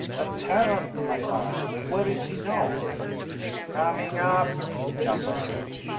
"A Terran?" I asked. "Where is he now?" "Coming up," Gaffa said.